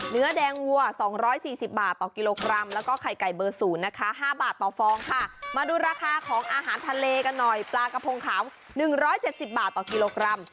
เนื้อแดงวัว๒๔๐บาทกิโลกรัม